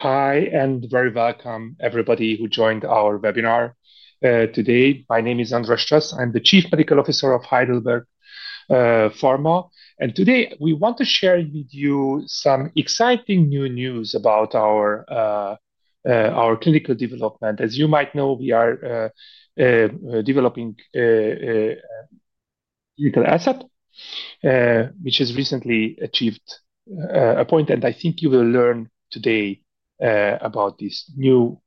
Hi, and very welcome, everybody who joined our webinar today. My name is Andreas Schmidt. I'm the Chief Medical Officer of Heidelberg Pharma. Today, we want to share with you some exciting new news about our clinical development. As you might know, we are developing a clinical asset, which has recently achieved a point. I think you will learn today about this new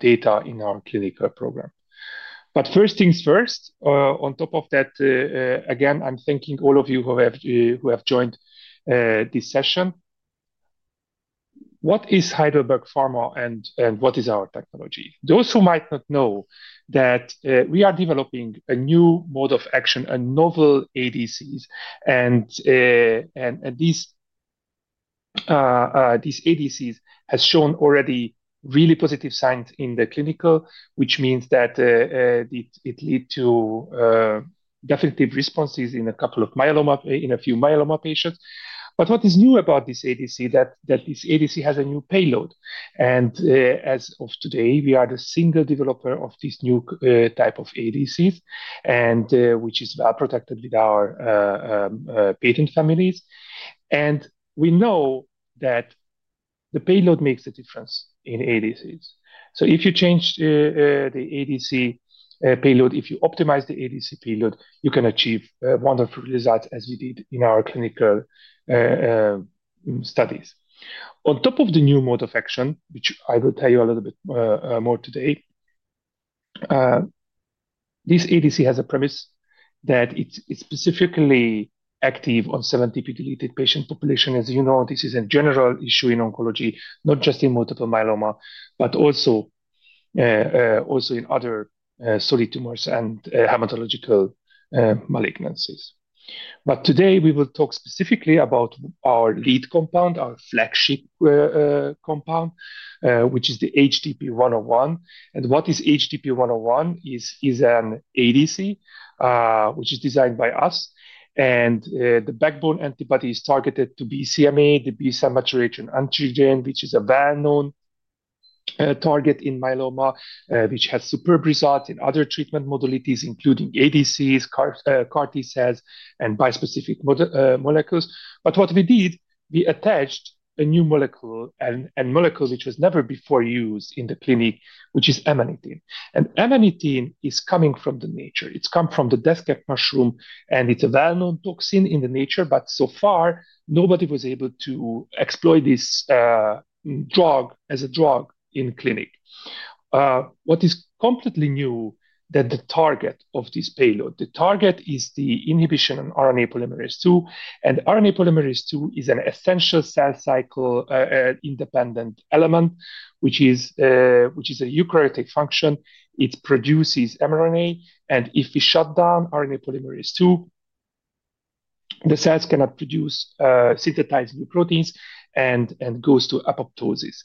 data in our clinical program. First things first, on top of that, again, I'm thanking all of you who have joined this session. What is Heidelberg Pharma and what is our technology? Those who might not know that, we are developing a new mode of action, a novel ADCs. These ADCs have shown already really positive signs in the clinical, which means that it led to definitive responses in a couple of myeloma, in a few myeloma patients. What is new about this ADC is that this ADC has a new payload. As of today, we are the single developer of this new type of ADCs, which is well protected with our patent families. We know that the payload makes a difference in ADCs. If you change the ADC payload, if you optimize the ADC payload, you can achieve wonderful results as we did in our clinical studies. On top of the new mode of action, which I will tell you a little bit more today, this ADC has a premise that it's specifically active on 70 patient populations. As you know, this is a general issue in oncology, not just in multiple myeloma, but also in other solid tumors and hematological malignancies. Today, we will talk specifically about our lead compound, our flagship compound, which is the HDP-101. What is HDP-101? It is an ADC, which is designed by us. The backbone antibody is targeted to BCMA, the B-cell maturation antigen, which is a well-known target in myeloma, which has superb results in other treatment modalities, including ADCs, CAR T cells, and bispecific molecules. What we did, we attached a new molecule, a molecule which was never before used in the clinic, which is α-amanitin. α-Amanitin is coming from nature. It comes from the desiccated mushroom, and it is a well-known toxin in nature, but so far, nobody was able to exploit this drug as a drug in clinic. What is completely new, that the target of this payload, the target is the inhibition on RNA polymerase II. And RNA polymerase II is an essential cell cycle-independent element, which is, which is a eukaryotic function. It produces mRNA. If we shut down RNA polymerase II, the cells cannot produce, synthetize new proteins and, and goes to apoptosis.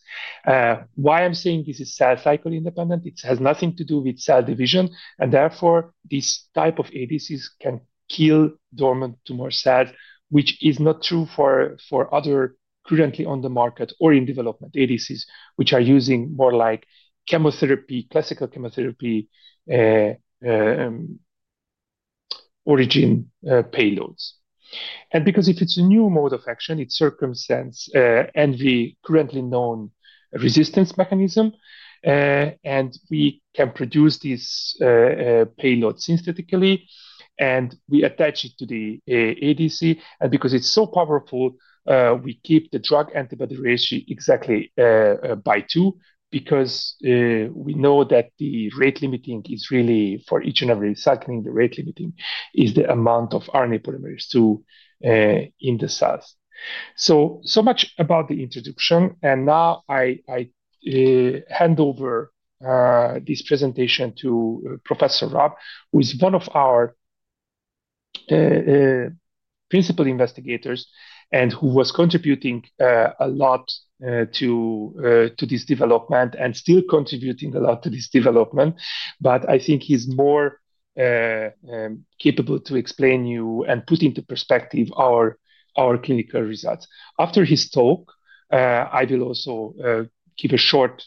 Why I'm saying this is cell cycle-independent, it has nothing to do with cell division. Therefore, this type of ADCs can kill dormant tumor cells, which is not true for other currently on the market or in development ADCs, which are using more like chemotherapy, classical chemotherapy origin payloads. Because if it's a new mode of action, it circumstance, and we currently known resistance mechanism, and we can produce this payload synthetically, and we attach it to the ADC. Because it's so powerful, we keep the drug antibody ratio exactly by two, because we know that the rate limiting is really for each and every cycling, the rate limiting is the amount of RNA polymerase II in the cells. So much about the introduction. Now I hand over this presentation to Professor Marc-Steffen Raab, who is one of our principal investigators and who was contributing a lot to this development and still contributing a lot to this development. I think he's more capable to explain to you and put into perspective our clinical results. After his talk, I will also give a short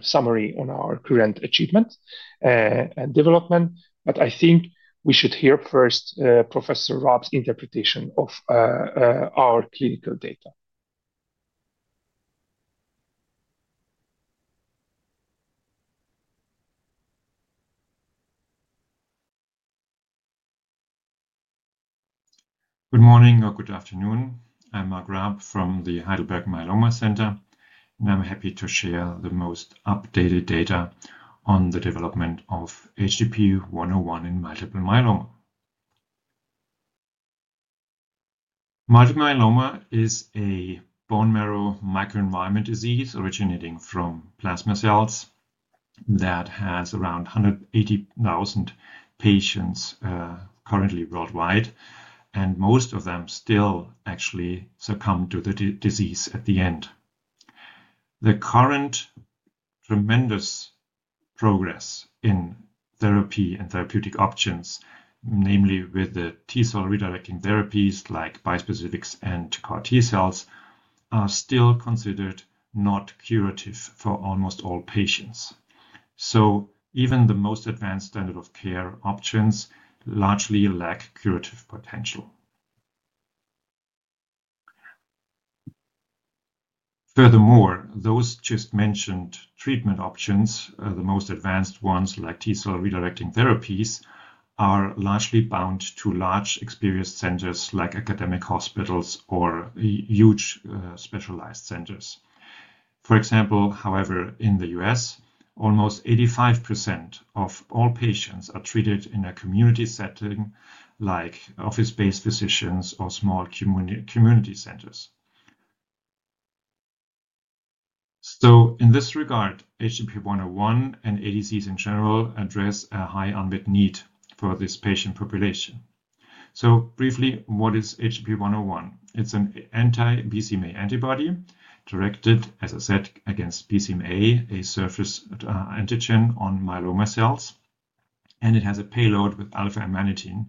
summary on our current achievement and development. I think we should hear first Professor Raab's interpretation of our clinical data. Good morning or good afternoon. I'm Mark Raab from the Heidelberg Myeloma Center, and I'm happy to share the most updated data on the development of HDP-101 in multiple myeloma. Multiple myeloma is a bone marrow microenvironment disease originating from plasma cells that has around 180,000 patients currently worldwide, and most of them still actually succumb to the disease at the end. The current tremendous progress in therapy and therapeutic options, namely with the T-cell redirecting therapies like bispecifics and CAR-T cells, are still considered not curative for almost all patients. Even the most advanced standard of care options largely lack curative potential. Furthermore, those just mentioned treatment options, the most advanced ones like T-cell redirecting therapies, are largely bound to large experienced centers like academic hospitals or huge specialized centers. For example, however, in the U.S., almost 85% of all patients are treated in a community setting like office-based physicians or small community centers. In this regard, HDP-101 and ADCs in general address a high unmet need for this patient population. Briefly, what is HDP-101? It's an anti-BCMA antibody directed, as I said, against BCMA, a surface antigen on myeloma cells. It has a payload with α-amanitin,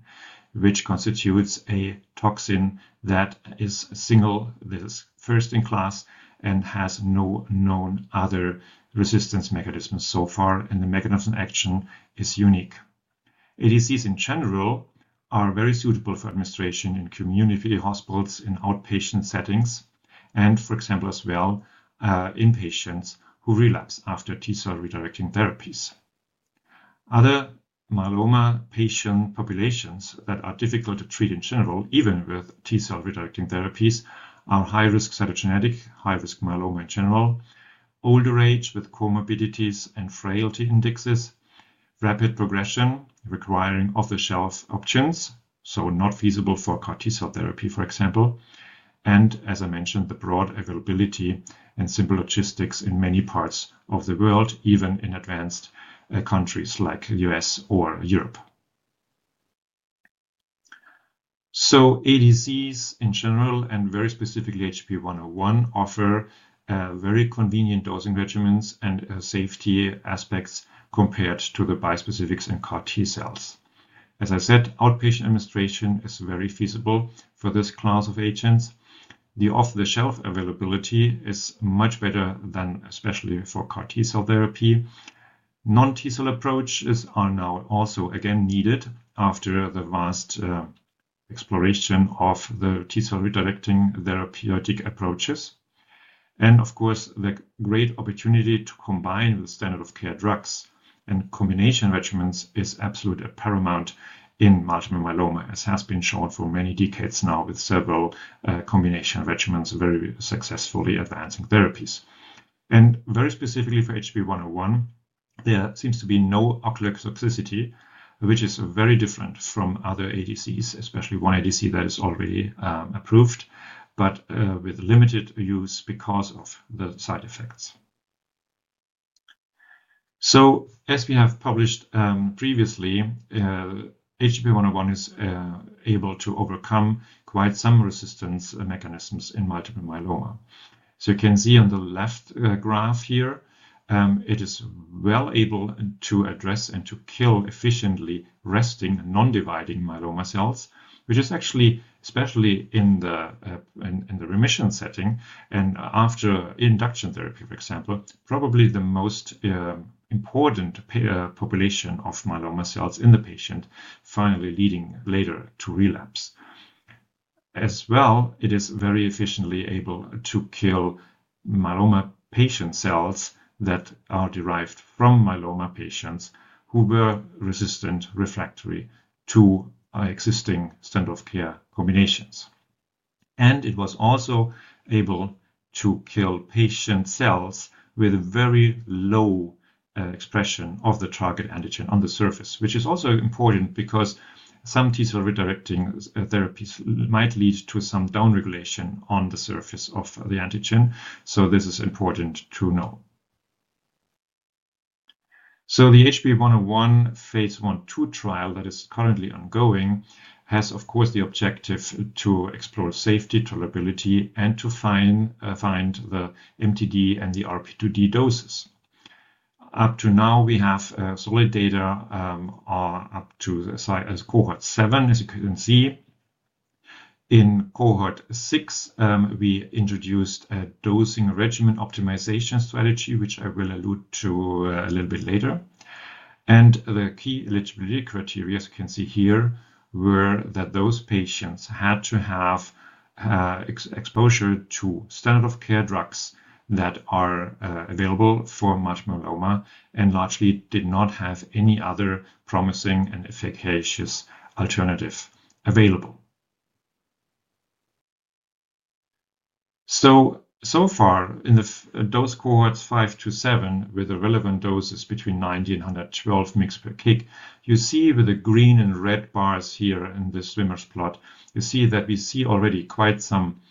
which constitutes a toxin that is single, that is first in class and has no known other resistance mechanisms so far. The mechanism of action is unique. ADCs in general are very suitable for administration in community hospitals, in outpatient settings, and, for example, as well, in patients who relapse after T-cell redirecting therapies. Other myeloma patient populations that are difficult to treat in general, even with T-cell redirecting therapies, are high-risk cytogenetic, high-risk myeloma in general, older age with comorbidities and frailty indexes, rapid progression requiring off-the-shelf options, so not feasible for CAR-T cell therapy, for example. As I mentioned, the broad availability and simple logistics in many parts of the world, even in advanced countries like the US or Europe. ADCs in general and very specifically HDP-101 offer very convenient dosing regimens and safety aspects compared to the bispecifics and CAR-T cells. As I said, outpatient administration is very feasible for this class of agents. The off-the-shelf availability is much better than especially for CAR-T cell therapy. Non-T-cell approaches are now also again needed after the vast, exploration of the T-cell redirecting therapeutic approaches. Of course, the great opportunity to combine the standard of care drugs and combination regimens is absolutely paramount in multiple myeloma, as has been shown for many decades now with several combination regimens very successfully advancing therapies. Very specifically for HDP-101, there seems to be no ocular toxicity, which is very different from other ADCs, especially one ADC that is already approved, but with limited use because of the side effects. As we have published previously, HDP-101 is able to overcome quite some resistance mechanisms in multiple myeloma. You can see on the left graph here, it is well able to address and to kill efficiently resting non-dividing myeloma cells, which is actually especially in the remission setting and after induction therapy, for example, probably the most important population of myeloma cells in the patient, finally leading later to relapse. As well, it is very efficiently able to kill myeloma patient cells that are derived from myeloma patients who were resistant refractory to existing standard of care combinations. It was also able to kill patient cells with a very low expression of the target antigen on the surface, which is also important because some T-cell redirecting therapies might lead to some downregulation on the surface of the antigen. This is important to know. The HDP-101 phase I-II trial that is currently ongoing has, of course, the objective to explore safety, tolerability, and to find the MTD and the RP2D doses. Up to now, we have solid data, up to cohort seven, as you can see. In cohort six, we introduced a dosing regimen optimization strategy, which I will allude to a little bit later. The key eligibility criteria, as you can see here, were that those patients had to have exposure to standard of care drugs that are available for multiple myeloma and largely did not have any other promising and efficacious alternative available. So far in the dose cohorts five to seven with the relevant doses between 90 and 112 mg per kg, you see with the green and red bars here in the swimmer's plot, you see that we see already quite some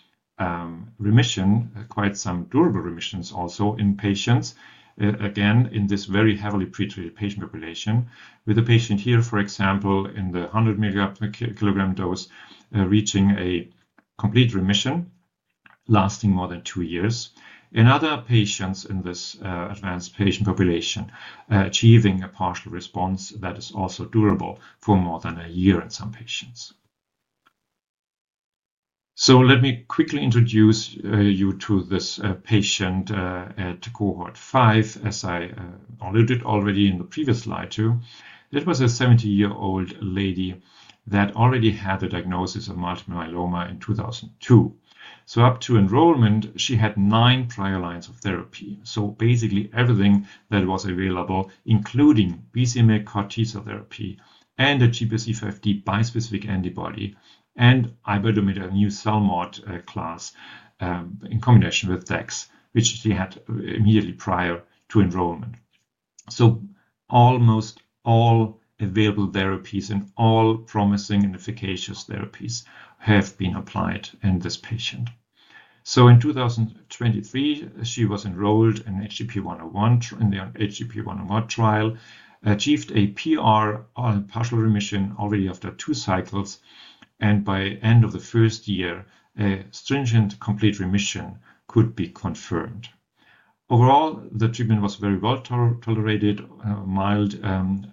remission, quite some durable remissions also in patients, again, in this very heavily pretreated patient population, with the patient here, for example, in the 100 mg dose, reaching a complete remission lasting more than two years, and other patients in this advanced patient population achieving a partial response that is also durable for more than a year in some patients. Let me quickly introduce you to this patient at cohort five, as I alluded already in the previous slide to. This was a 70-year-old lady that already had the diagnosis of multiple myeloma in 2002. Up to enrollment, she had nine prior lines of therapy. Basically everything that was available, including BCMA, CAR-T cell therapy, and the GPRC5D bispecific antibody and iberdomide, a new CELMoD class, in combination with DEX, which she had immediately prior to enrollment. Almost all available therapies and all promising and efficacious therapies have been applied in this patient. In 2023, she was enrolled in HDP-101, in the HDP-101 trial, achieved a PR or partial remission already after two cycles. By the end of the first year, a stringent complete remission could be confirmed. Overall, the treatment was very well tolerated, mild,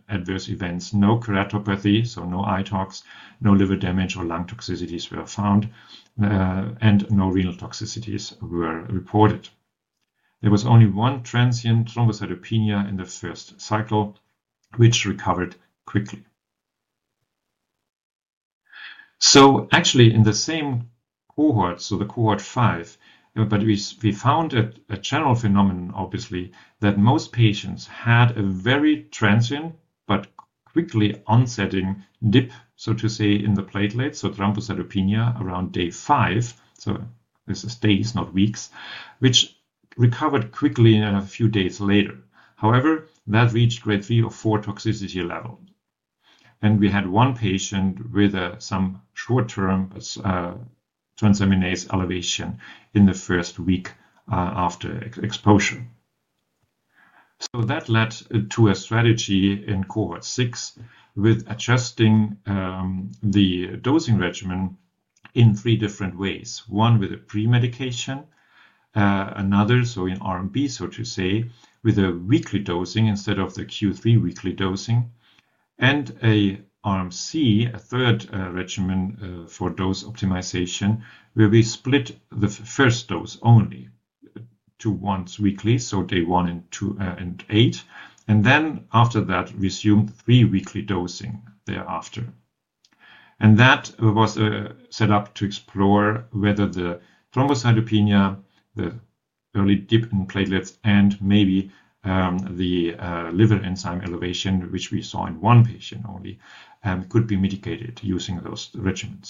adverse events, no keratopathy, so no eye tox, no liver damage or lung toxicities were found, and no renal toxicities were reported. There was only one transient thrombocytopenia in the first cycle, which recovered quickly. Actually in the same cohort, cohort five, we found a general phenomenon, obviously, that most patients had a very transient but quickly onsetting dip, so to say, in the platelets, so thrombocytopenia around day five. This is days, not weeks, which recovered quickly a few days later. However, that reached grade three or four toxicity level. We had one patient with some short-term, transaminase elevation in the first week, after exposure. That led to a strategy in cohort six with adjusting the dosing regimen in three different ways. One with a pre-medication, another, so in RMC, so to say, with a weekly dosing instead of the Q3 weekly dosing, and an RMC, a third regimen, for dose optimization, where we split the first dose only, to once weekly, so day one and two, and eight. After that, we resumed three weekly dosing thereafter. That was set up to explore whether the thrombocytopenia, the early dip in platelets, and maybe the liver enzyme elevation, which we saw in one patient only, could be mitigated using those regimens.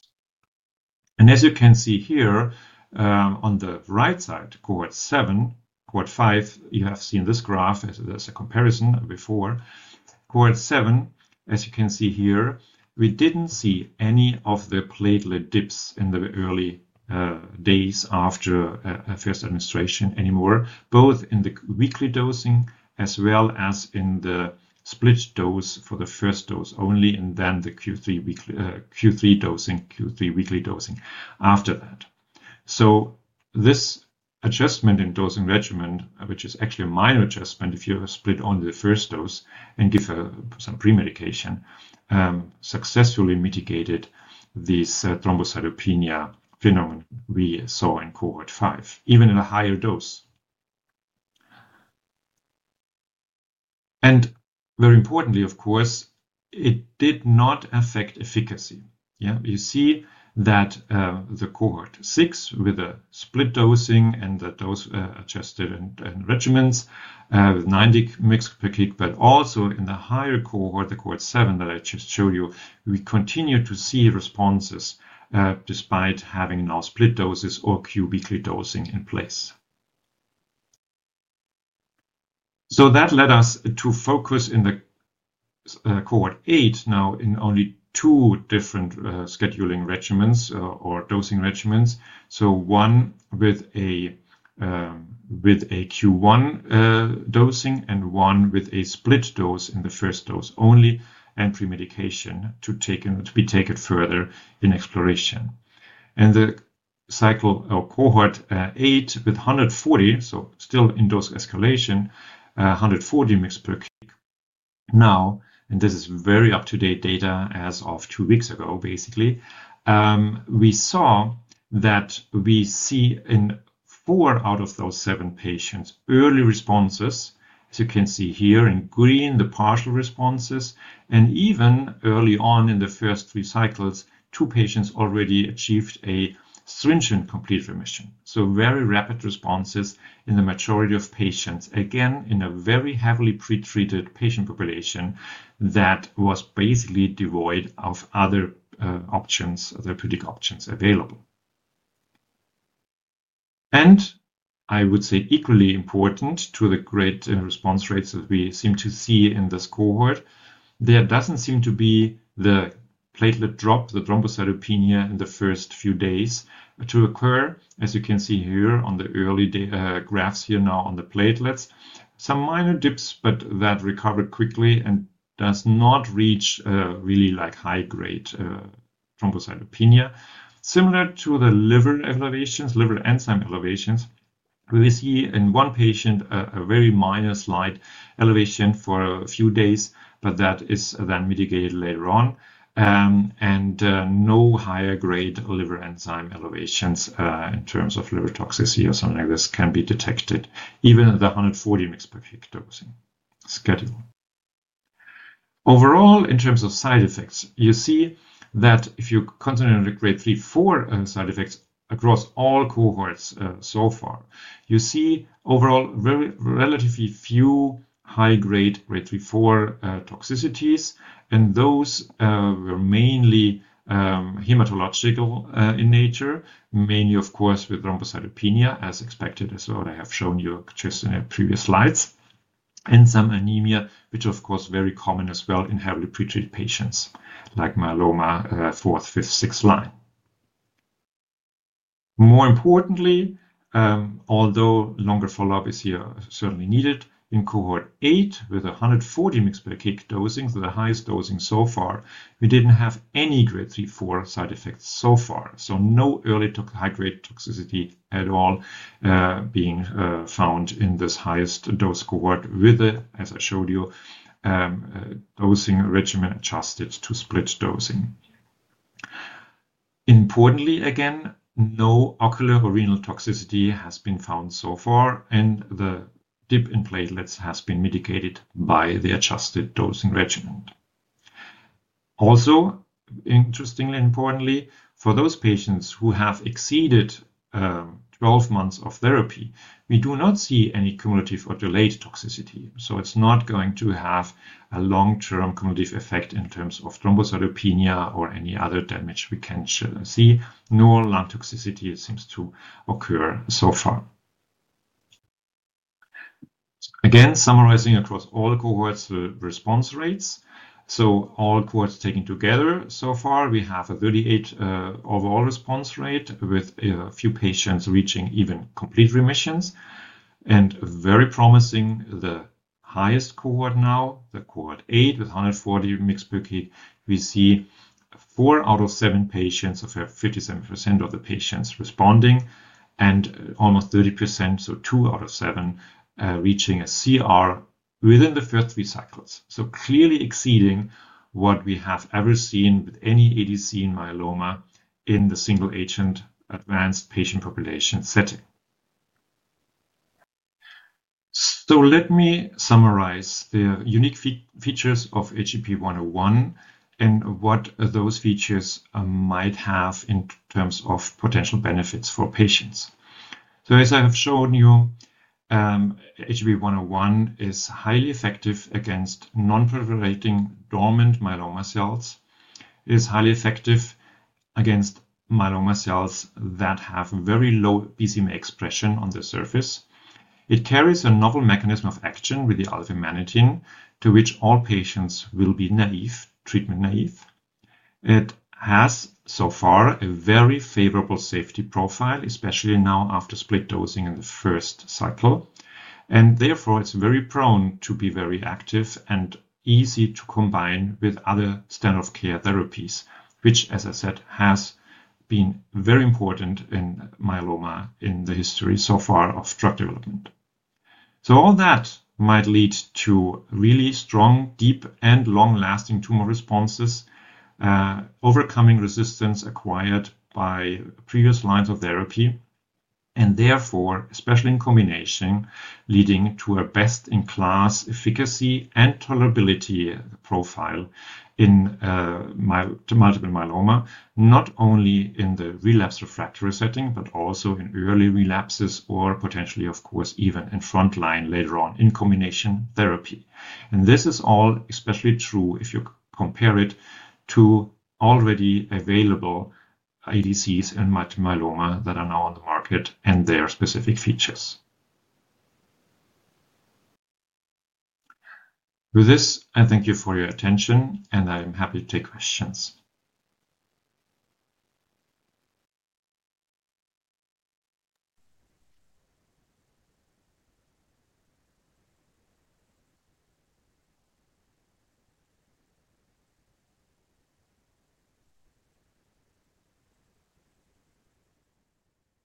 As you can see here, on the right side, cohort seven, cohort five, you have seen this graph as a comparison before. Cohort seven, as you can see here, we did not see any of the platelet dips in the early days after first administration anymore, both in the weekly dosing as well as in the split dose for the first dose only, and then the Q3 weekly, Q3 dosing, Q3 weekly dosing after that. This adjustment in dosing regimen, which is actually a minor adjustment, if you have split only the first dose and give some pre-medication, successfully mitigated this thrombocytopenia phenomenon we saw in cohort five, even at a higher dose. Very importantly, of course, it did not affect efficacy. Yeah, you see that, the cohort six with the split dosing and the dose adjusted and regimens, with 90 mg per kg, but also in the higher cohort, the cohort seven that I just showed you, we continue to see responses, despite having now split doses or Q weekly dosing in place. That led us to focus in the cohort eight now in only two different scheduling regimens or dosing regimens. One with a Q1 dosing and one with a split dose in the first dose only and pre-medication to be taken further in exploration. The cycle or cohort eight with 140, so still in dose escalation, 140 mg per kg now, and this is very up-to-date data as of two weeks ago. Basically, we saw that we see in four out of those seven patients early responses, as you can see here in green, the partial responses, and even early on in the first three cycles, two patients already achieved a stringent complete remission. Very rapid responses in the majority of patients, again, in a very heavily pretreated patient population that was basically devoid of other options, therapeutic options available. I would say equally important to the great response rates that we seem to see in this cohort, there does not seem to be the platelet drop, the thrombocytopenia in the first few days to occur, as you can see here on the early graphs here now on the platelets. Some minor dips, but that recovered quickly and does not reach, really like high-grade thrombocytopenia. Similar to the liver enzyme elevations, we see in one patient a very minor slight elevation for a few days, but that is then mitigated later on, and no higher-grade liver enzyme elevations, in terms of liver toxicity or something like this, can be detected even at the 140 mg per kg dosing schedule. Overall, in terms of side effects, you see that if you consider grade three, four side effects across all cohorts so far, you see overall very relatively few high-grade grade three, four toxicities, and those were mainly hematological in nature, mainly, of course, with thrombocytopenia as expected as well. I have shown you just in the previous slides, and some anemia, which are of course very common as well in heavily pretreated patients like myeloma, fourth, fifth, sixth line. More importantly, although longer follow-up is certainly needed in cohort eight with 140 mixed per kick dosings, the highest dosing so far, we did not have any grade three, four side effects so far. No early high-grade toxicity at all is being found in this highest dose cohort with the, as I showed you, dosing regimen adjusted to split dosing. Importantly, again, no ocular or renal toxicity has been found so far, and the dip in platelets has been mitigated by the adjusted dosing regimen. Also, interestingly, importantly, for those patients who have exceeded 12 months of therapy, we do not see any cumulative or delayed toxicity. It is not going to have a long-term cumulative effect in terms of thrombocytopenia or any other damage we can see. No lung toxicity seems to occur so far. Again, summarizing across all cohorts the response rates. All cohorts taken together so far, we have a 38% overall response rate with a few patients reaching even complete remissions. Very promising, the highest cohort now, cohort eight with 140 mg per kg, we see four out of seven patients, so 57% of the patients responding, and almost 30%, so two out of seven, reaching a CR within the first three cycles. Clearly exceeding what we have ever seen with any ADC in myeloma in the single-agent advanced patient population setting. Let me summarize the unique features of HDP-101 and what those features might have in terms of potential benefits for patients. As I have shown you, HDP-101 is highly effective against non-proliferating dormant myeloma cells. It is highly effective against myeloma cells that have very low BCMA expression on the surface. It carries a novel mechanism of action with the α-amanitin, to which all patients will be naive, treatment naive. It has so far a very favorable safety profile, especially now after split dosing in the first cycle. Therefore, it is very prone to be very active and easy to combine with other standard of care therapies, which, as I said, has been very important in myeloma in the history so far of drug development. All that might lead to really strong, deep, and long-lasting tumor responses, overcoming resistance acquired by previous lines of therapy, and therefore, especially in combination, leading to a best-in-class efficacy and tolerability profile in multiple myeloma, not only in the relapse refractory setting, but also in early relapses or potentially, of course, even in front line later on in combination therapy. This is all especially true if you compare it to already available ADCs in multiple myeloma that are now on the market and their specific features. With this, I thank you for your attention, and I'm happy to take questions.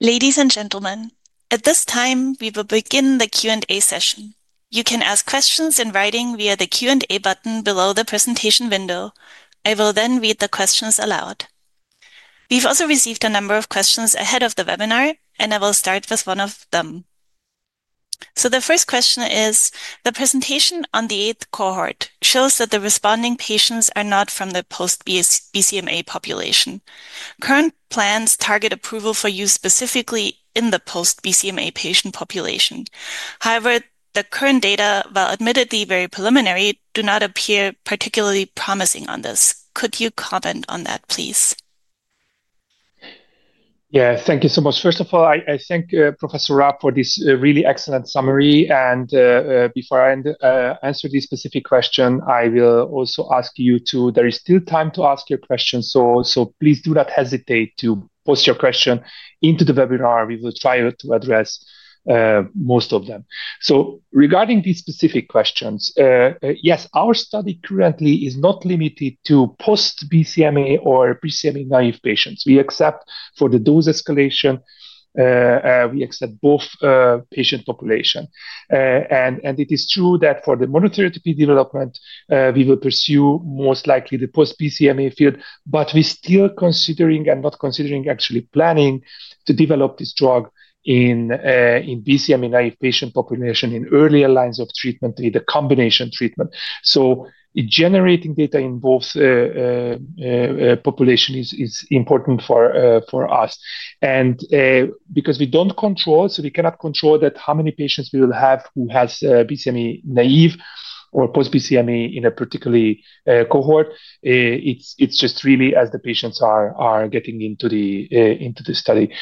Ladies and gentlemen, at this time, we will begin the Q&A session. You can ask questions in writing via the Q&A button below the presentation window. I will then read the questions aloud. We've also received a number of questions ahead of the webinar, and I will start with one of them. The first question is, the presentation on the eighth cohort shows that the responding patients are not from the post-BCMA population. Current plans target approval for use specifically in the post-BCMA patient population. However, the current data, while admittedly very preliminary, do not appear particularly promising on this. Could you comment on that, please? Yeah, thank you so much. First of all, I thank Professor Raab for this really excellent summary. Before I answer this specific question, I will also ask you to, there is still time to ask your questions. Please do not hesitate to post your question into the webinar. We will try to address most of them. Regarding these specific questions, yes, our study currently is not limited to post-BCMA or BCMA naive patients. We accept for the dose escalation, we accept both patient population. It is true that for the monotherapy development, we will pursue most likely the post-BCMA field, but we're still considering and actually planning to develop this drug in BCMA naive patient population in earlier lines of treatment, either combination treatment. Generating data in both population is important for us. Because we do not control, we cannot control how many patients we will have who are BCMA naive or post-BCMA in a particular cohort. It is just really as the patients are getting into the study.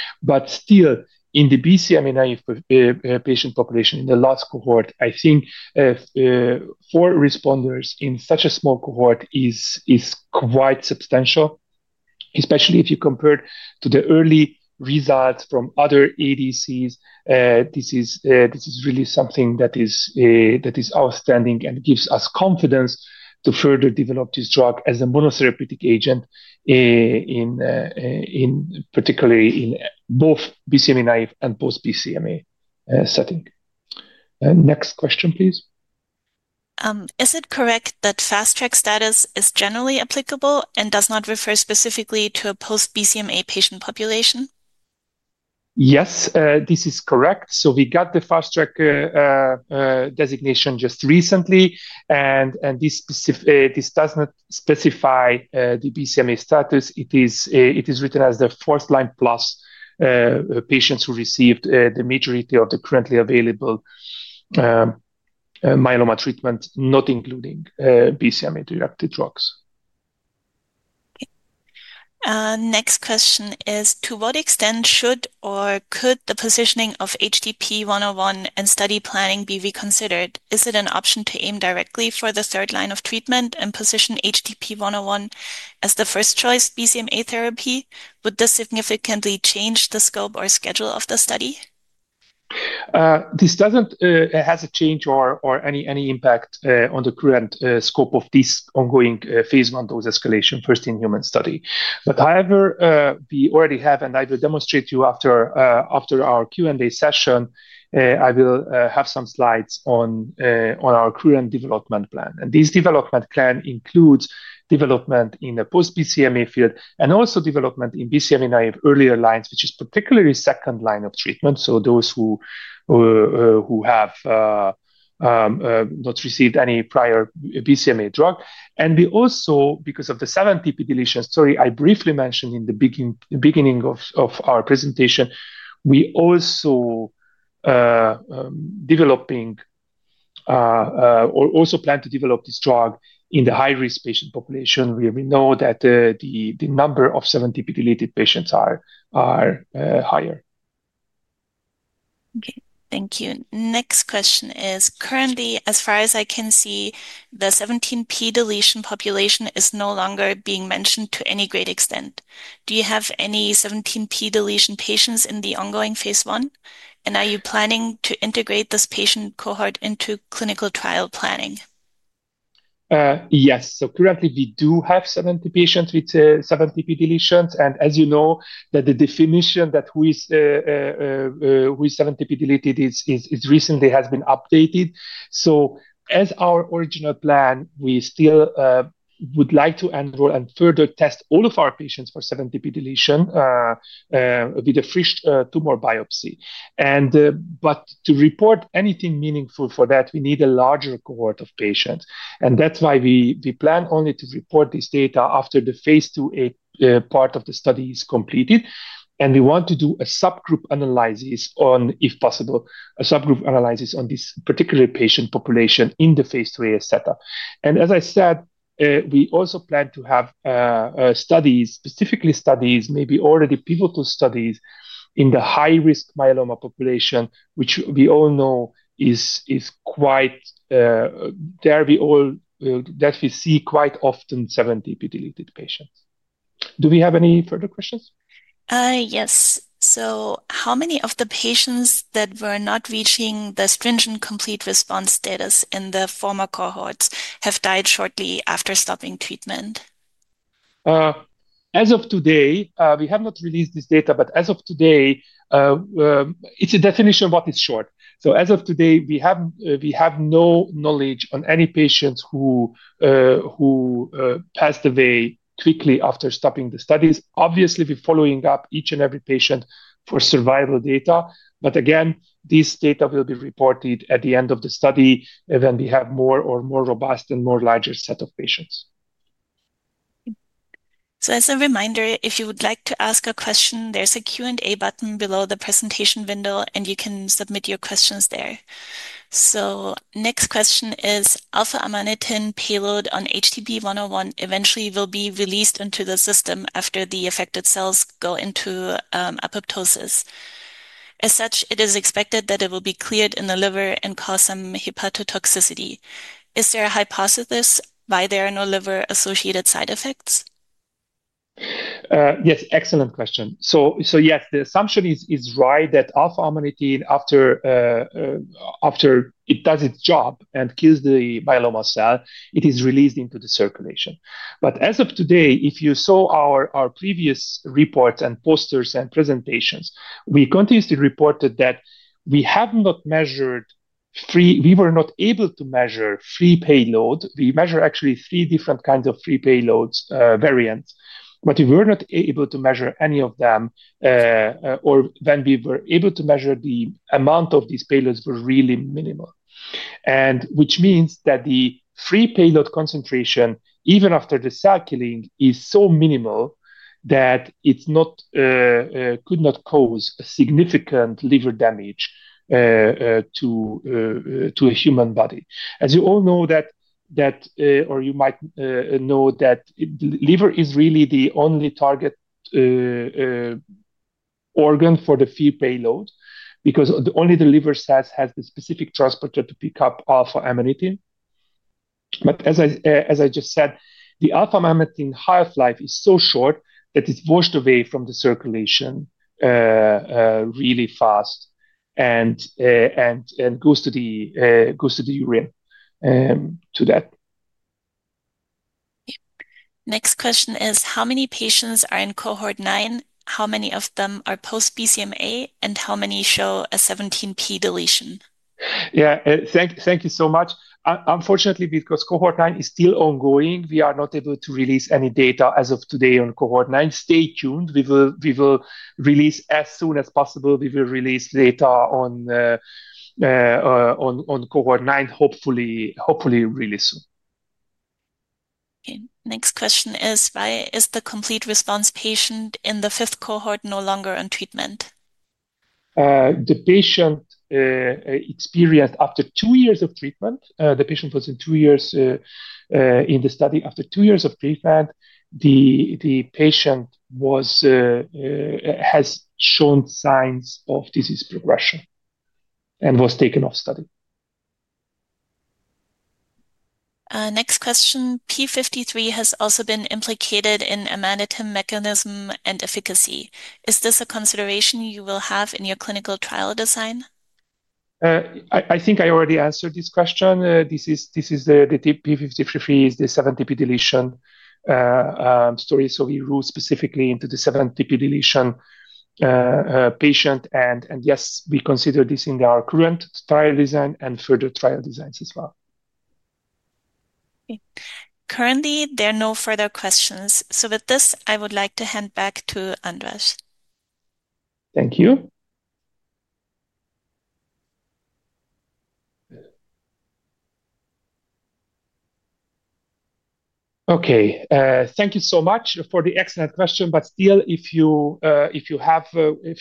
Still, in the BCMA naive patient population in the last cohort, I think four responders in such a small cohort is quite substantial, especially if you compare it to the early results from other ADCs. This is really something that is outstanding and gives us confidence to further develop this drug as a monotherapeutic agent, particularly in both BCMA naive and post-BCMA settings. Next question, please. Is it correct that fast track status is generally applicable and does not refer specifically to a post-BCMA patient population? Yes, this is correct. We got the fast track designation just recently. This does not specify the BCMA status. It is written as the first line plus patients who received the majority of the currently available myeloma treatment, not including BCMA-directed drugs. Okay. Next question is, to what extent should or could the positioning of HDP-101 and study planning be reconsidered? Is it an option to aim directly for the third line of treatment and position HDP-101 as the first choice BCMA therapy? Would this significantly change the scope or schedule of the study? This does not have a change or any impact on the current scope of this ongoing phase I dose escalation first in human study. However, we already have, and I will demonstrate to you after our Q&A session, I will have some slides on our current development plan. This development plan includes development in the post-BCMA field and also development in BCMA naive earlier lines, which is particularly second line of treatment. Those who have not received any prior BCMA drug. We also, because of the 17p deletions I briefly mentioned in the beginning of our presentation, also plan to develop this drug in the high-risk patient population where we know that the number of 17p deleted patients is higher. Thank you. Next question is, currently, as far as I can see, the 17p deletion population is no longer being mentioned to any great extent. Do you have any 17p deletion patients in the ongoing phase I? Are you planning to integrate this patient cohort into clinical trial planning? Yes. Currently, we do have 17p patients with 17p deletions. As you know, the definition of who is 17p deleted has recently been updated. As our original plan, we still would like to enroll and further test all of our patients for 17p deletion with a fresh tumor biopsy. To report anything meaningful for that, we need a larger cohort of patients. That is why we plan only to report this data after the phase IIa part of the study is completed. We want to do a subgroup analysis on, if possible, a subgroup analysis on this particular patient population in the phase IIa setup. As I said, we also plan to have studies, specifically studies, maybe already pivotal studies in the high-risk myeloma population, which we all know is quite, there we all, that we see quite often 17p deleted patients. Do we have any further questions? Yes. So how many of the patients that were not reaching the stringent complete response status in the former cohorts have died shortly after stopping treatment? As of today, we have not released this data, but as of today, it is a definition of what is short. As of today, we have no knowledge on any patients who passed away quickly after stopping the studies. Obviously, we are following up each and every patient for survival data. Again, this data will be reported at the end of the study when we have a more robust and larger set of patients. As a reminder, if you would like to ask a question, there is a Q&A button below the presentation window, and you can submit your questions there. Next question is, α-amanitin payload on HDP-101 eventually will be released into the system after the affected cells go into apoptosis. As such, it is expected that it will be cleared in the liver and cause some hepatotoxicity. Is there a hypothesis why there are no liver-associated side effects? Yes, excellent question. Yes, the assumption is right that α-amanitin, after it does its job and kills the myeloma cell, is released into the circulation. As of today, if you saw our previous reports and posters and presentations, we continuously reported that we have not measured three, we were not able to measure three payloads. We measure actually three different kinds of payload variants, but we were not able to measure any of them, or when we were able to measure, the amount of these payloads was really minimal. Which means that the free payload concentration, even after the cycling, is so minimal that it could not cause significant liver damage to a human body. As you all know, or you might know, the liver is really the only target organ for the free payload because only the liver cells have the specific transporter to pick up α-amanitin. As I just said, the α-amanitin half-life is so short that it is washed away from the circulation really fast and goes to the urine. Next question is, how many patients are in cohort nine? How many of them are post-BCMA and how many show a 17p deletion? Yeah, thank you, thank you so much. Unfortunately, because cohort nine is still ongoing, we are not able to release any data as of today on cohort nine. Stay tuned. We will release as soon as possible. We will release data on cohort nine, hopefully really soon. Okay. Next question is, why is the complete response patient in the fifth cohort no longer on treatment? The patient experienced, after two years of treatment, the patient was in two years, in the study. After two years of treatment, the patient has shown signs of disease progression and was taken off study. Next question, P53 has also been implicated in aminotin mechanism and efficacy. Is this a consideration you will have in your clinical trial design? I think I already answered this question. This is the P53 is the 17p deletion story. We rule specifically into the 17p deletion patient. Yes, we consider this in our current trial design and further trial designs as well. Currently, there are no further questions. With this, I would like to hand back to Andreas. Thank you. Thank you so much for the excellent question. If you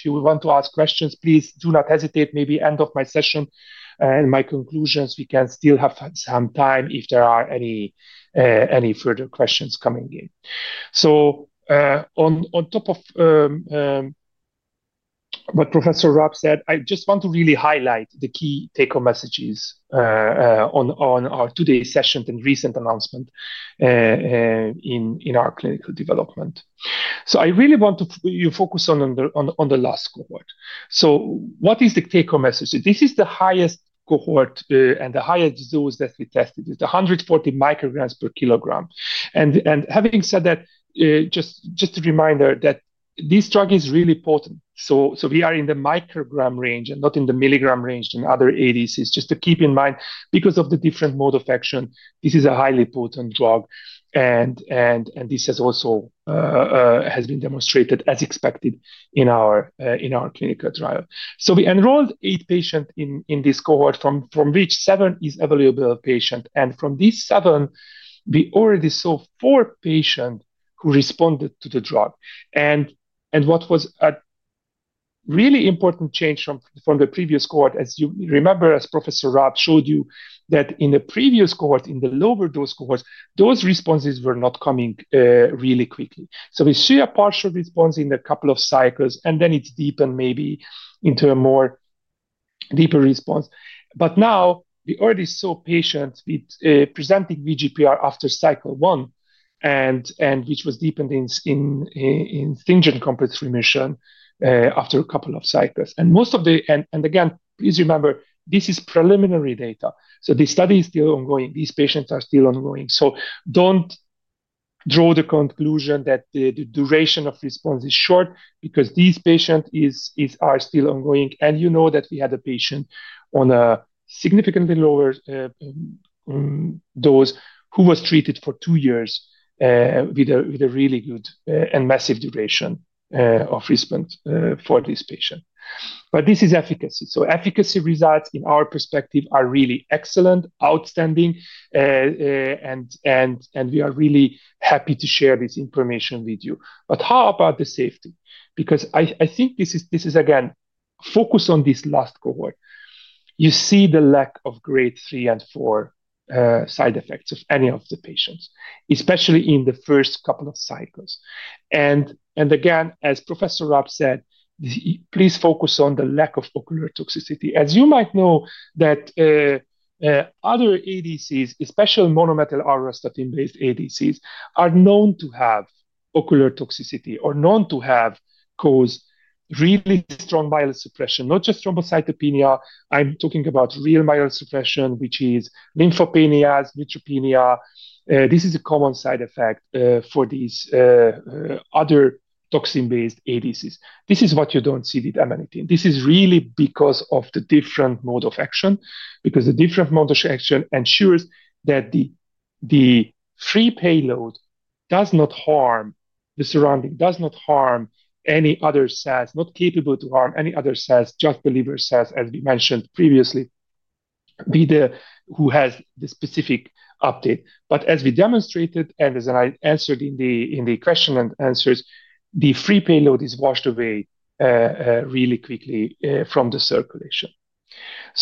want to ask questions, please do not hesitate. Maybe at the end of my session and my conclusions, we can still have some time if there are any further questions coming in. On top of what Professor Raab said, I just want to really highlight the key take-home messages on our today's session and recent announcement in our clinical development. I really want to focus on the last cohort. What is the take-home message? This is the highest cohort, and the highest dose that we tested is 140 micrograms per kilogram. Having said that, just a reminder that this drug is really potent. We are in the microgram range and not in the milligram range in other ADCs. Just to keep in mind, because of the different mode of action, this is a highly potent drug. This has also been demonstrated as expected in our clinical trial. We enrolled eight patients in this cohort, from which seven is available patient. From these seven, we already saw four patients who responded to the drug. What was a really important change from the previous cohort, as you remember, as Professor Raab showed you, in the previous cohort, in the lower dose cohorts, those responses were not coming really quickly. We see a partial response in a couple of cycles and then it is deepened maybe into a more deeper response. Now we already saw patients presenting VGPR after cycle one, which was deepened in stringent complete remission after a couple of cycles. Again, please remember this is preliminary data. The study is still ongoing. These patients are still ongoing. Do not draw the conclusion that the duration of response is short because these patients are still ongoing. You know that we had a patient on a significantly lower dose who was treated for two years, with a really good and massive duration of response for this patient. This is efficacy. Efficacy results in our perspective are really excellent, outstanding, and we are really happy to share this information with you. How about the safety? I think this is again, focus on this last cohort. You see the lack of grade 3 and 4 side effects of any of the patients, especially in the first couple of cycles. Again, as Professor Raab said, please focus on the lack of ocular toxicity. As you might know, other ADCs, especially monomethyl auristatin-based ADCs, are known to have ocular toxicity or known to have caused really strong myelosuppression, not just thrombocytopenia. I'm talking about real myelosuppression, which is lymphopenias, neutropenia. This is a common side effect for these other toxin-based ADCs. This is what you don't see with aminotin. This is really because of the different mode of action, because the different mode of action ensures that the free payload does not harm the surrounding, does not harm any other cells, not capable to harm any other cells, just the liver cells, as we mentioned previously, be the who has the specific update. As we demonstrated and as I answered in the question and answers, the free payload is washed away really quickly from the circulation.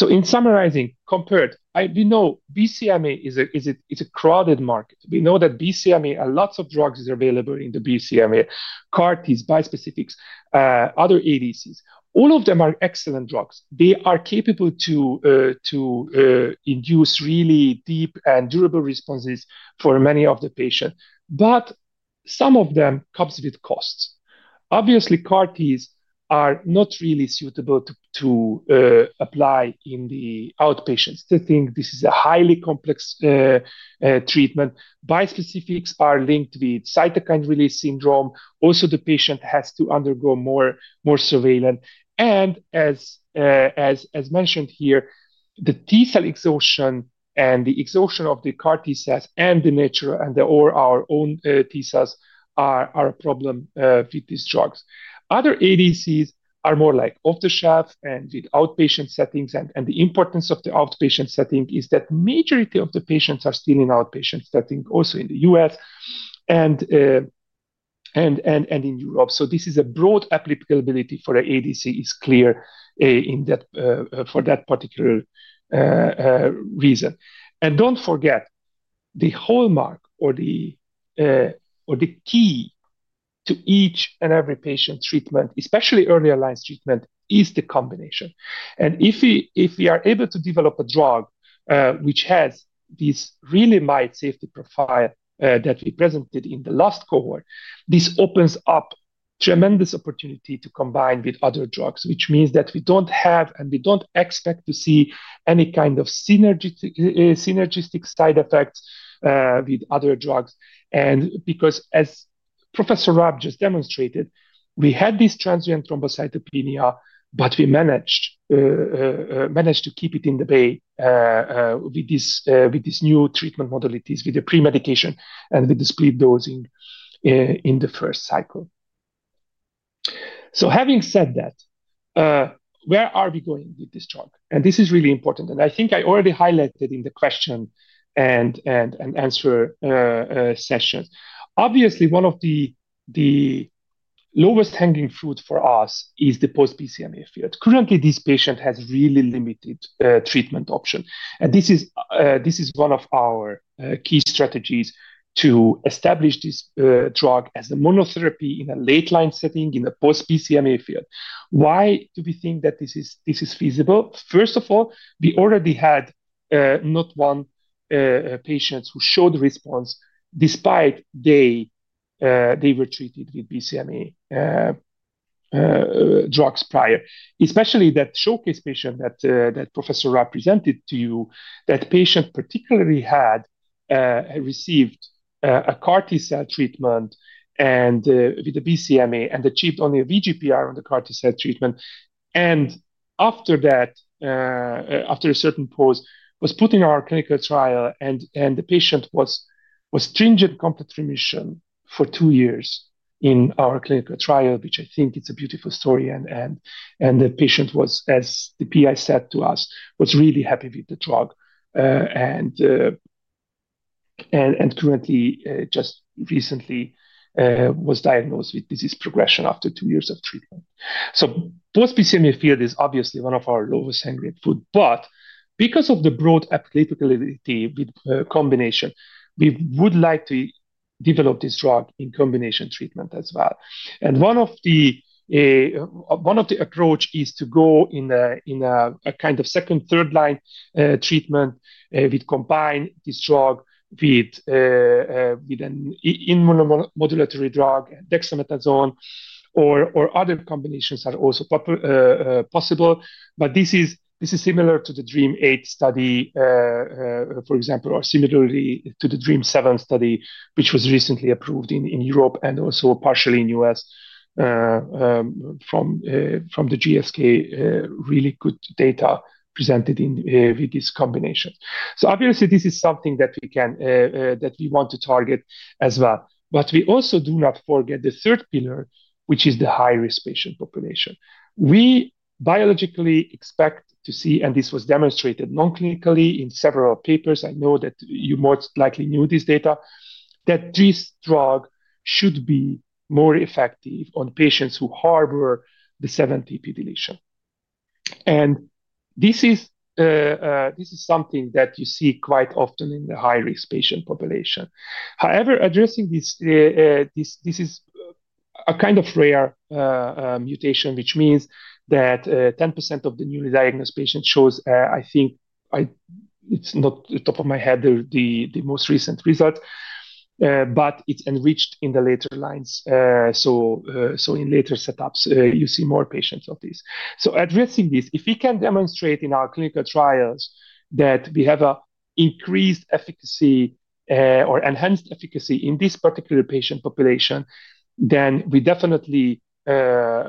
In summarizing, compared, we know BCMA is a, is it, it's a crowded market. We know that BCMA, lots of drugs are available in the BCMA, CAR-Ts, bispecifics, other ADCs. All of them are excellent drugs. They are capable to induce really deep and durable responses for many of the patients. But some of them come with costs. Obviously, CAR-Ts are not really suitable to apply in the outpatient setting. This is a highly complex treatment. Bispecifics are linked with cytokine release syndrome. Also, the patient has to undergo more surveillance. As mentioned here, the T-cell exhaustion and the exhaustion of the CAR-T cells and the natural and our own T cells are a problem with these drugs. Other ADCs are more like off the shelf and with outpatient settings. The importance of the outpatient setting is that majority of the patients are still in outpatient setting, also in the US and in Europe. This is a broad applicability for an ADC is clear, for that particular reason. Do not forget the hallmark or the key to each and every patient treatment, especially early alliance treatment, is the combination. If we are able to develop a drug, which has this really mild safety profile, that we presented in the last cohort, this opens up tremendous opportunity to combine with other drugs, which means that we do not have and we do not expect to see any kind of synergistic side effects with other drugs. Because as Professor Raab just demonstrated, we had this transient thrombocytopenia, but we managed to keep it in the bay with these new treatment modalities, with the pre-medication and with the split dosing in the first cycle. Having said that, where are we going with this drug? This is really important. I think I already highlighted in the question and answer sessions. Obviously, one of the lowest hanging fruit for us is the post-BCMA field. Currently, this patient has really limited treatment option. This is one of our key strategies to establish this drug as a monotherapy in a late line setting in the post-BCMA field. Why do we think that this is feasible? First of all, we already had patients who showed response despite they were treated with BCMA drugs prior, especially that showcase patient that Professor Raab presented to you. That patient particularly had received a CAR-T cell treatment with the BCMA and achieved only a VGPR on the CAR-T cell treatment. After that, after a certain pause, was put in our clinical trial and the patient was in stringent complete remission for two years in our clinical trial, which I think is a beautiful story. The patient was, as the PI said to us, really happy with the drug, and currently, just recently, was diagnosed with disease progression after two years of treatment. Post-BCMA field is obviously one of our lowest hanging fruit, but because of the broad applicability with combination, we would like to develop this drug in combination treatment as well. One of the approaches is to go in a kind of second, third line treatment, combine this drug with an immunomodulatory drug, dexamethasone, or other combinations are also possible. This is similar to the DREAM-8 study, for example, or similarly to the DREAM-7 study, which was recently approved in Europe and also partially in the US, from GSK, really good data presented with this combination. Obviously, this is something that we want to target as well. We also do not forget the third pillar, which is the high-risk patient population. We biologically expect to see, and this was demonstrated non-clinically in several papers. I know that you most likely knew this data, that this drug should be more effective on patients who harbor the 17p deletion. This is something that you see quite often in the high-risk patient population. However, addressing this is a kind of rare mutation, which means that 10% of the newly diagnosed patients show, I think, it's not the top of my head, the most recent results, but it's enriched in the later lines. In later setups, you see more patients of this. Addressing this, if we can demonstrate in our clinical trials that we have an increased efficacy, or enhanced efficacy in this particular patient population, then we definitely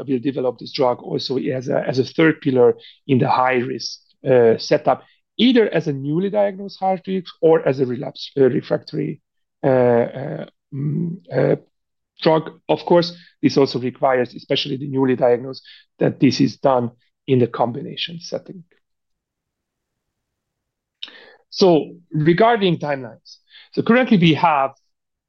will develop this drug also as a third pillar in the high-risk setup, either as a newly diagnosed heart disease or as a relapse refractory drug. Of course, this also requires, especially the newly diagnosed, that this is done in the combination setting. Regarding timelines, currently we have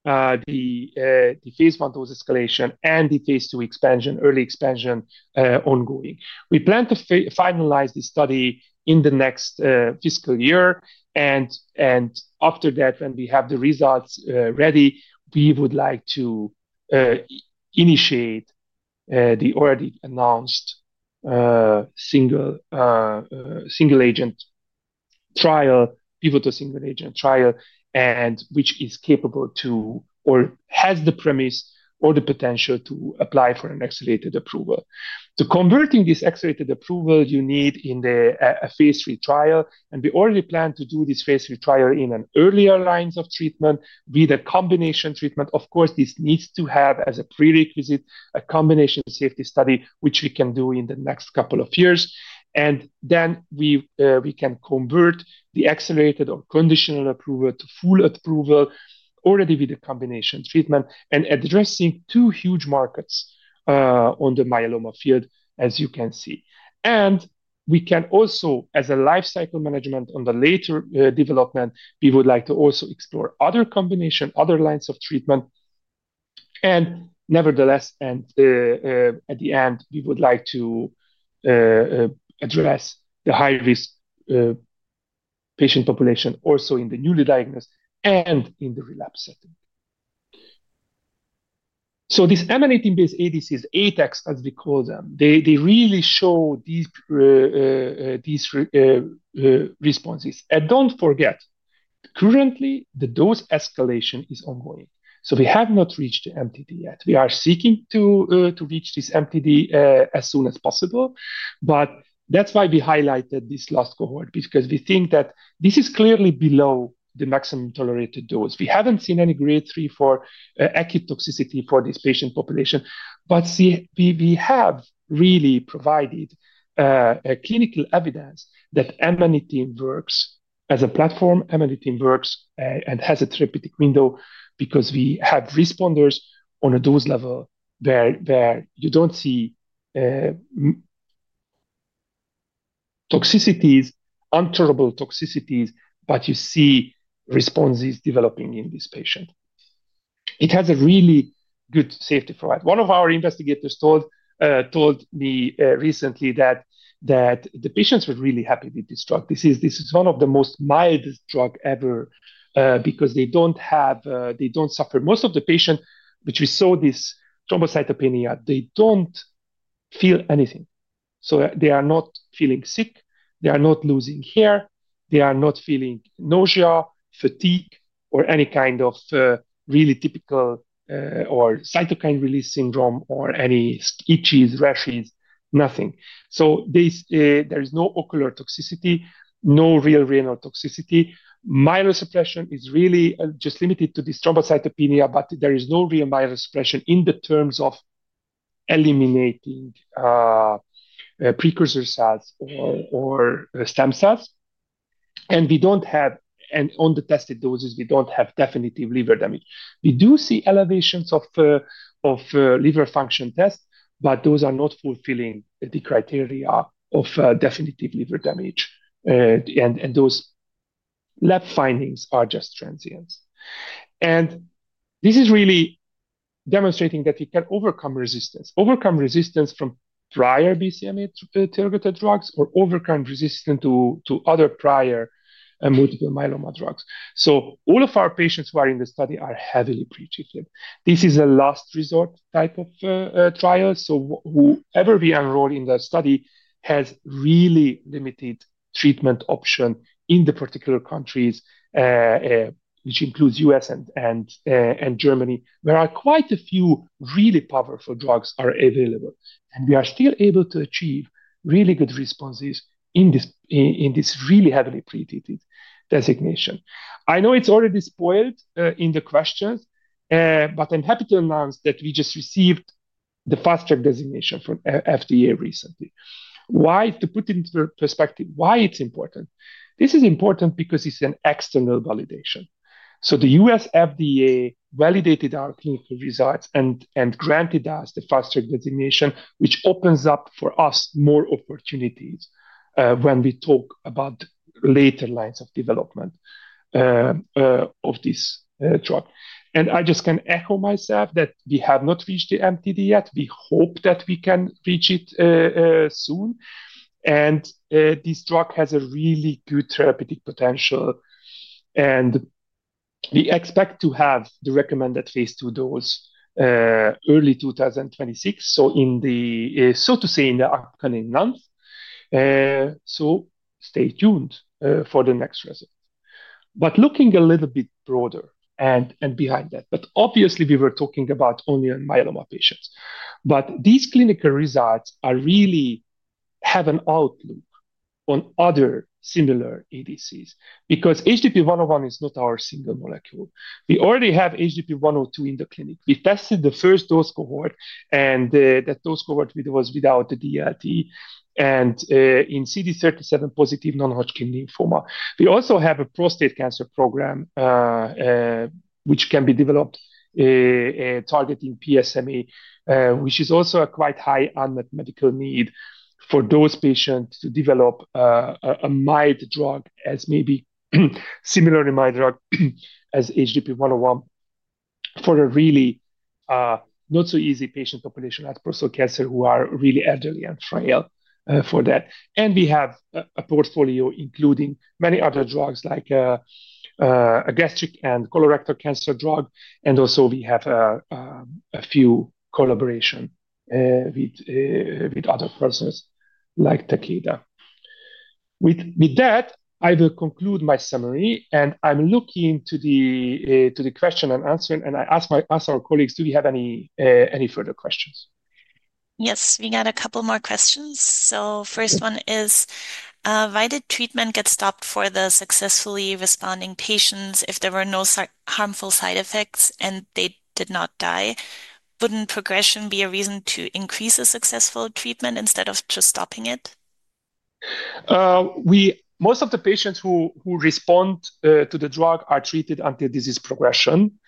the phase one dose escalation and the phase two expansion, early expansion, ongoing. We plan to finalize this study in the next fiscal year. After that, when we have the results ready, we would like to initiate the already announced single agent trial, pivotal single agent trial, which is capable to, or has the premise or the potential to apply for an accelerated approval. To convert this accelerated approval, you need a phase three trial. We already plan to do this phase three trial in earlier lines of treatment with a combination treatment. Of course, this needs to have as a prerequisite a combination safety study, which we can do in the next couple of years. We can convert the accelerated or conditional approval to full approval already with a combination treatment and addressing two huge markets in the myeloma field, as you can see. We can also, as a lifecycle management on the later development, explore other combination, other lines of treatment. Nevertheless, at the end, we would like to address the high-risk patient population also in the newly diagnosed and in the relapse setting. This aminotin-based ADCs, ATACs as we call them, they really show these responses. Currently the dose escalation is ongoing. We have not reached the MTD yet. We are seeking to reach this MTD as soon as possible. That is why we highlighted this last cohort, because we think that this is clearly below the maximum tolerated dose. We have not seen any grade three, four, acute toxicity for this patient population. We have really provided clinical evidence that aminotin works as a platform, aminotin works, and has a therapeutic window because we have responders on a dose level where you do not see toxicities, untolerable toxicities, but you see responses developing in this patient. It has a really good safety for it. One of our investigators told me recently that the patients were really happy with this drug. This is one of the most mildest drug ever, because they don't have, they don't suffer. Most of the patient, which we saw this thrombocytopenia, they don't feel anything. They are not feeling sick, they are not losing hair, they are not feeling nausea, fatigue, or any kind of, really typical, or cytokine release syndrome or any itches, rashes, nothing. There is no ocular toxicity, no real renal toxicity. Myelosuppression is really just limited to this thrombocytopenia, but there is no real myelosuppression in the terms of eliminating precursor cells or, or stem cells. We don't have, and on the tested doses, we don't have definitive liver damage. We do see elevations of liver function tests, but those are not fulfilling the criteria of definitive liver damage. Those lab findings are just transients. This is really demonstrating that we can overcome resistance, overcome resistance from prior BCMA-targeted drugs or overcome resistance to other prior multiple myeloma drugs. All of our patients who are in the study are heavily pre-treated. This is a last resort type of trial. Whoever we enroll in the study has really limited treatment option in the particular countries, which includes the US and Germany, where quite a few really powerful drugs are available. We are still able to achieve really good responses in this really heavily pre-treated designation. I know it's already spoiled in the questions, but I'm happy to announce that we just received the fast track designation from FDA recently. To put it into perspective, why is it important? This is important because it's an external validation. The US FDA validated our clinical results and granted us the fast track designation, which opens up for us more opportunities when we talk about later lines of development of this drug. I just can echo myself that we have not reached the MTD yet. We hope that we can reach it soon. This drug has a really good therapeutic potential. We expect to have the recommended phase 2 dose early 2026, so in the, so to say, in the upcoming month. Stay tuned for the next result. Looking a little bit broader and behind that, obviously we were talking about only on myeloma patients, but these clinical results really have an outlook on other similar ADCs because HDP-101 is not our single molecule. We already have HDP-102 in the clinic. We tested the first dose cohort, and that dose cohort was without the DLT, and in CD37 positive non-Hodgkin lymphoma. We also have a prostate cancer program, which can be developed, targeting PSMA, which is also a quite high unmet medical need for those patients to develop a mild drug as maybe similar to my drug as HDP-101 for a really, not so easy patient population at prostate cancer who are really elderly and frail, for that. We have a portfolio including many other drugs like a gastric and colorectal cancer drug. We also have a few collaborations with other persons like Takeda. With that, I will conclude my summary and I'm looking to the question and answer, and I ask our colleagues, do we have any further questions? Yes, we got a couple more questions. The first one is, why did treatment get stopped for the successfully responding patients if there were no harmful side effects and they did not die? Wouldn't progression be a reason to increase a successful treatment instead of just stopping it? Most of the patients who respond to the drug are treated until disease progression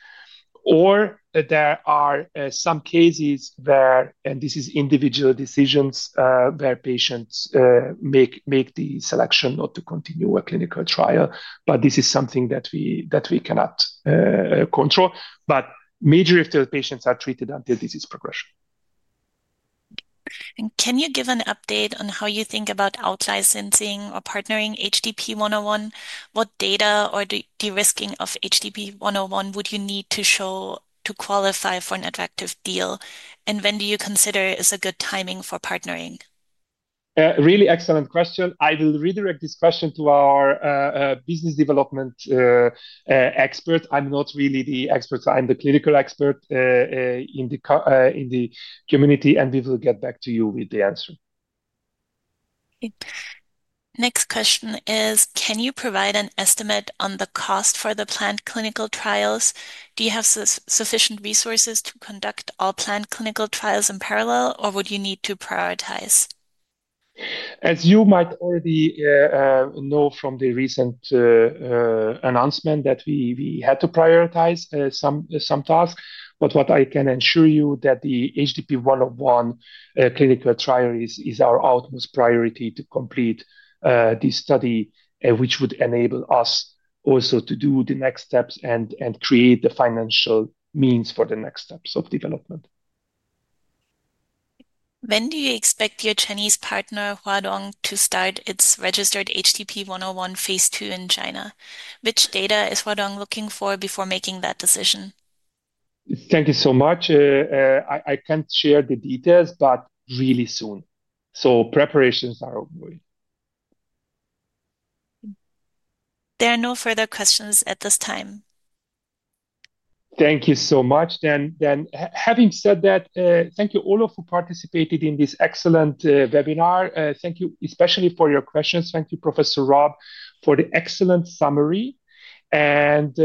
or there are some cases where, and this is individual decisions, where patients make the selection not to continue a clinical trial, but this is something that we cannot control. The majority of those patients are treated until disease progression. Can you give an update on how you think about outlicensing or partnering HDP-101? What data or de-risking of HDP-101 would you need to show to qualify for an attractive deal? When do you consider it is a good timing for partnering? Really excellent question. I will redirect this question to our business development expert. I'm not really the expert. I'm the clinical expert in the community and we will get back to you with the answer. Next question is, can you provide an estimate on the cost for the planned clinical trials? Do you have sufficient resources to conduct all planned clinical trials in parallel or would you need to prioritize? As you might already know from the recent announcement that we had to prioritize some tasks, but what I can ensure you is that the HDP-101 clinical trial is our utmost priority to complete this study, which would enable us also to do the next steps and create the financial means for the next steps of development. When do you expect your Chinese partner, Huadong, to start its registered HDP-101 phase two in China? Which data is Huadong looking for before making that decision? Thank you so much. I can't share the details, but really soon. Preparations are ongoing. There are no further questions at this time. Thank you so much. Having said that, thank you all for participating in this excellent webinar. Thank you especially for your questions. Thank you, Professor Raab, for the excellent summary. Please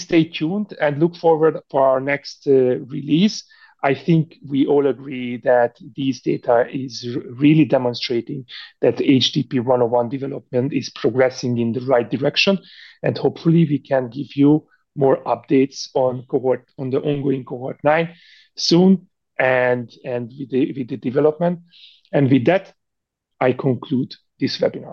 stay tuned and look forward to our next release. I think we all agree that these data are really demonstrating that HDP-101 development is progressing in the right direction. Hopefully we can give you more updates on the ongoing cohort nine soon with the development. With that, I conclude this webinar.